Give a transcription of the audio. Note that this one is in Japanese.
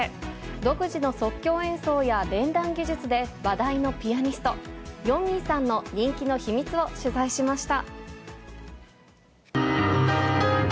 独自の即興演奏や連弾技術で話題のピアニスト、よみぃさんの人気の秘密を取材しました。